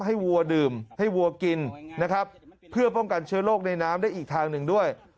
วัวดื่มให้วัวกินนะครับเพื่อป้องกันเชื้อโรคในน้ำได้อีกทางหนึ่งด้วย